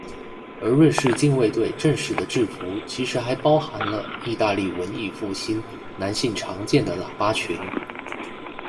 而瑞士近卫队正式的制服其实还包含了义大利文艺复兴男性常见的喇叭裙。